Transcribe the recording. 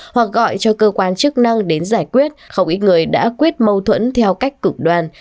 hoặc gọi cho cơ quan chức năng đến giải quyết không ít người đã quyết mâu thuẫn theo cách cực đoàn